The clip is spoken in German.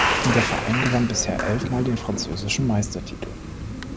Der Verein gewann bisher elfmal den französischen Meistertitel.